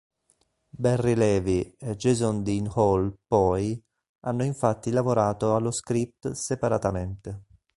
Barry Levy e Jason Dean Hall poi, hanno infatti lavorato allo script separatamente.